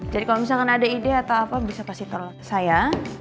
jadi kalau misalkan ada ide atau apa bisa kasih tahu saya